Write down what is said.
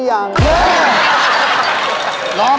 อาหารการกิน